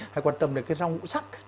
hãy quan tâm đến cái rau sắc